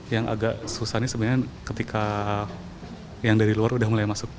yang agak susah ini sebenarnya ketika yang dari luar udah mulai masuk